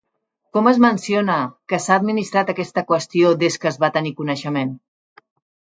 Com es menciona que s'ha administrat aquesta qüestió des que es va tenir coneixement?